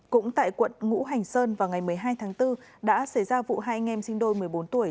cũng tại quận ngũ hành sơn vào ngày một mươi hai tháng bốn đã xảy ra vụ hai anh em sinh đôi một mươi bốn tuổi